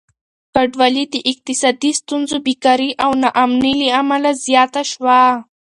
کډوالي د اقتصادي ستونزو، بېکاري او ناامني له امله زياته شوه.